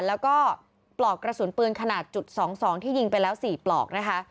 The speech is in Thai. แล้วก็ปลอกกระสุนปืนขนาดจุด๒๒ที่ยิงไปแล้ว๔ปลอกนะคะ